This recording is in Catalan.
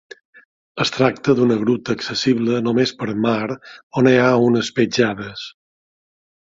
Es tracta d'una gruta accessible només per mar on hi ha unes petjades.